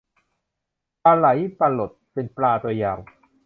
ปลาไหล ปลาหลด เป็นปลาตัวยาว